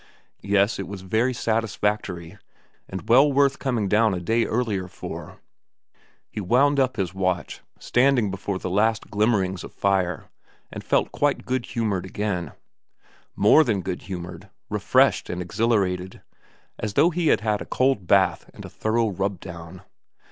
Yes ; it was very satisfactory, and well worth coming down day earlier for. He wound up his watch, standing before the last 364 VERA glimmerings of the fire, and felt quite good humoured again. More than good humoured, refreshed and ex hilarated, as though he had had a cold bath and a thorough rub down.